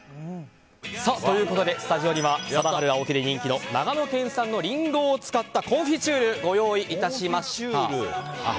スタジオにはサダハル・アオキで人気の長野県産のリンゴを使ったコンフィチュールご用意いたしました。